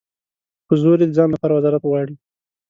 په زور یې د ځان لپاره وزارت غواړي.